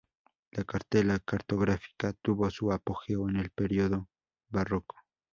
La cartela cartográfica tuvo su apogeo en el período Barroco.